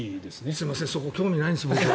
すいませんそこ、興味ないんです。